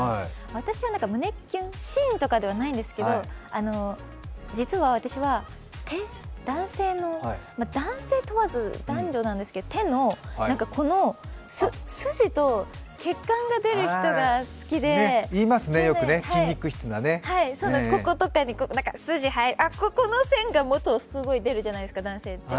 私は胸キュンシーンとかではないんですけど実は私は男性問わず男女なんですけど、手の筋と血管が出る人が好きで腕とかに筋が入る、腕に入るじゃないですか、男性とかって。